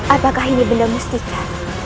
apakah ini benda mustika